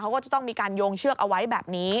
ก็ต้องมีการโยงเชือกเอาไว้แบบนี้